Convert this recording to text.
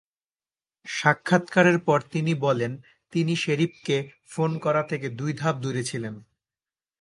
সাক্ষাৎকারের পর তিনি বলেন, তিনি শেরিফকে ফোন করা থেকে দুই ধাপ দূরে ছিলেন।